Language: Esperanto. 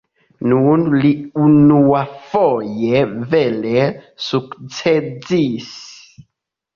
Nun li unuafoje vere sukcesis.